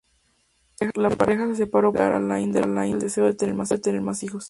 La pareja se separó por alegar Alain Delon el deseo de tener más hijos.